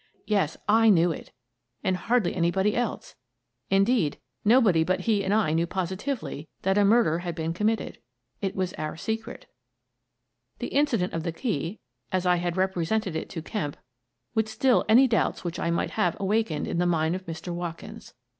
Yes, / knew it — and hardly anybody else! In deed, nobody but he and I knew positively that a murder had been committed. It was our secret The incident of the key, as I had represented it to Kemp, would still any doubts which I might have awakened in the mind of Mr. Watkins.